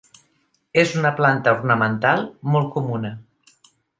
És una planta ornamental molt comuna.